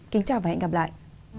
kính chào và hẹn gặp lại